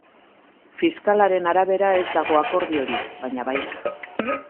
Fiskalaren arabera ez dago akordiorik, baina bai.